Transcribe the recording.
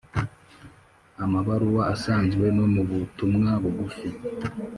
amabaruwa asanzwe no mubutumwa bugufi.